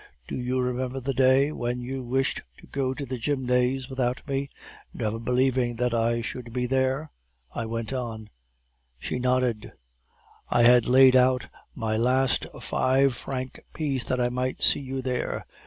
'Do you remember the day when you wished to go to the Gymnase without me, never believing that I should be there?' I went on. "She nodded. "'I had laid out my last five franc piece that I might see you there.